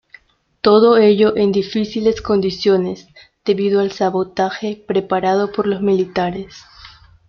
Todo ello en difíciles condiciones, debido al sabotaje preparado por los militares.